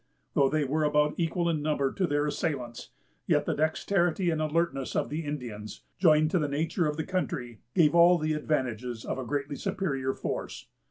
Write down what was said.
Though they were about equal in number to their assailants, yet the dexterity and alertness of the Indians, joined to the nature of the country, gave all the advantages of a greatly superior force.